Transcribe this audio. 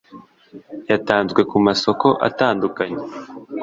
Yatanzwe ku masoko atandukanye